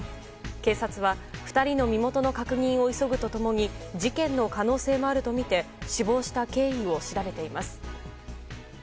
警察は２人の身元の確認を急ぐと共に事件の可能性もあるとみて死亡した経緯を調べています。